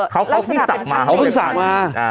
เขาพึ่งสั่งมา